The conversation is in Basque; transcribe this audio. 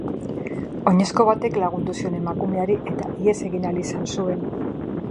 Oinezko batek lagundu zion emakumeari, eta ihes egin ahal izan zuen.